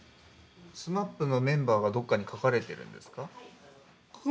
ＳＭＡＰのメンバーがどっかに描かれているんですか？